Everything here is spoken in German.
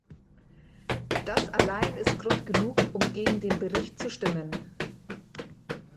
Das allein ist Grund genug, um gegen den Bericht zu stimmen.